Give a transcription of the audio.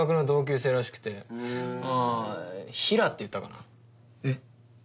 大学ああ平良って言ったかなえっ？